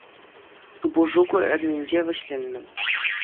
Тупӑшу ку эрнинче вӗҫленнӗ.